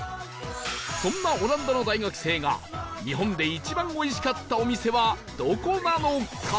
そんなオランダの大学生が日本で一番おいしかったお店はどこなのか？